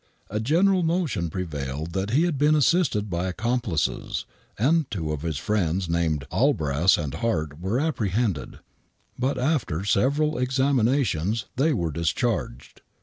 A general notion prevailed that he had been assisted by accomplices, and two of his friends, named Allbrass and Hart, were apprehended; but after several examinations, they were discharged.